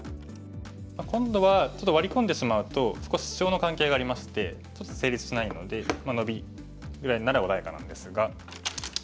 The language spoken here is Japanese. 今度はちょっとワリ込んでしまうと少しシチョウの関係がありましてちょっと成立しないのでノビぐらいなら穏やかなんですが。